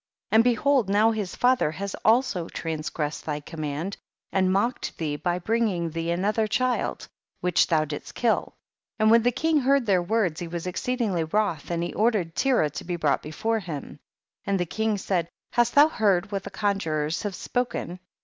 10. And behold now his father has also transgressed thy command, and mocked thee by bringing thee ano , ther child, which thou didst kill. 1 1 . And when the king heard their words he was exceedingly wroth, and he ordered Terah to be brought . before him. 12. And the king said, hast thou heard what the conjurors have spo ken